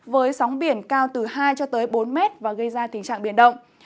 với sóng biển cao từ hai bốn m và gây ra tình trạng biển động